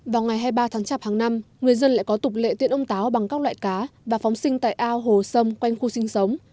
vào ngày hai mươi ba tháng chạp hàng năm người dân lại có tục lệ tiện ông táo bằng các loại cá và phóng sinh tại ao hồ sông quanh khu sinh sống